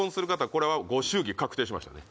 これはご祝儀確定しましたね